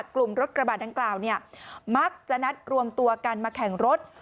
กลุ่มรถกระบาดดังกล่าวมักจะนัดรวมตัวกันมาแข่งรถ